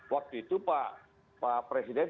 waktu itu pak presiden